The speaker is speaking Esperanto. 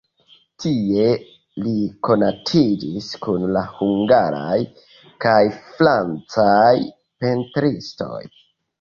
Tie li konatiĝis kun la hungaraj kaj francaj pentristoj.